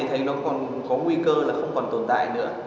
thấy nó còn có nguy cơ là không còn tồn tại nữa